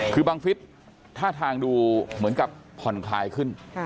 คือบังฟิศท่าทางดูเหมือนกับผ่อนคลายขึ้น